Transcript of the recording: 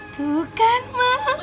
tuh kan mak